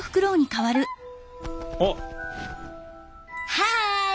はい！